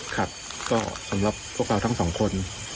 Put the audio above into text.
ครับก็สำหรับพวกเราทั้งสองคน